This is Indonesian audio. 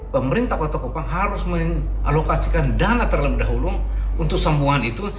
pemerintah kota kupang harus mengalokasikan dana terlebih dahulu untuk semua itu